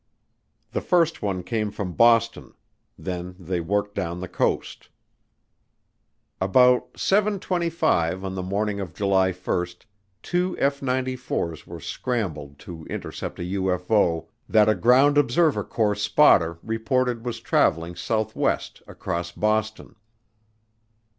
The first one came from Boston; then they worked down the coast. About seven twenty five on the morning of July 1 two F 94's were scrambled to intercept a UFO that a Ground Observer Corps spotter reported was traveling southwest across Boston.